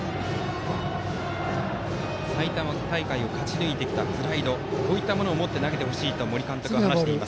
埼玉大会を勝ち抜いてきたプライドこういったものを持って投げてほしいと森監督は話します。